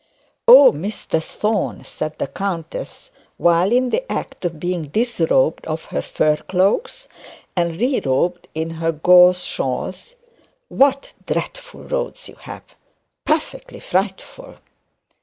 'Oh, Mr Thorne,' said the countess, while the act of being disrobed of her fur cloaks, and re robed in her gauze shawls, 'what dreadful roads you have; perfectly frightful.'